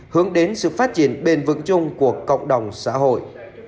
hướng đến sự phát triển bền vững chung của cộng đồng xã hội